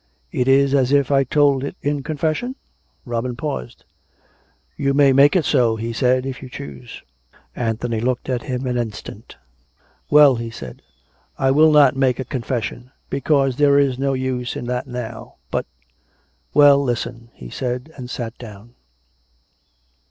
" It is as if I told it in confession? " Robin paused. " You may make it so/' he said, " if you choose." Anthony looked at him an instant. " Well," he said, " I will not make a confession, because there is no use in that now — but Well, listen !" he said, and sat down.